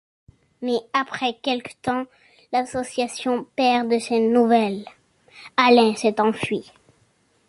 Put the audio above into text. Mais après quelque temps, l'association perd de ses nouvelles, Alain s'est enfui.